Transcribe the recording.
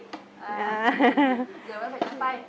giờ bà phải tráng tay